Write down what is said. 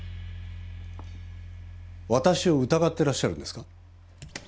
私を疑ってらっしゃるんですか？